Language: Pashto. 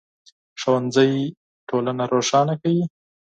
ښوونځی ټولنه روښانه کوي